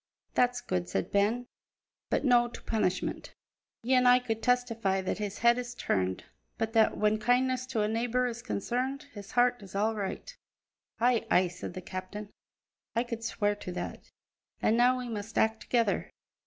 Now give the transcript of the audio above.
"That's good," said Ben, "but no' to punishment. Ye an' I could testify that his head is turned, but that, when kindness to a neebour is concerned, his heart is all right." "Ay, ay," said the captain, "I could swear to that. And now we must act together.